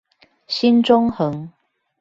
新中橫